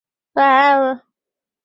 京都府京都市出身。